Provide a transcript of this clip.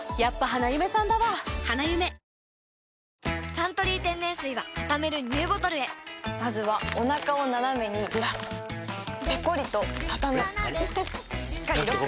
「サントリー天然水」はたためるＮＥＷボトルへまずはおなかをナナメにずらすペコリ！とたたむしっかりロック！